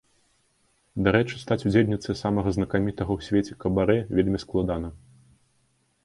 Дарэчы, стаць удзельніцай самага знакамітага ў свеце кабарэ вельмі складана.